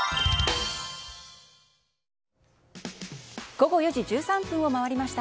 午後４時１３分を回りました。